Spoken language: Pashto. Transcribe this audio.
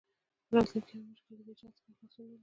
په راتلونکې یوه میاشت کې له دې جال څخه خلاصون نه لري.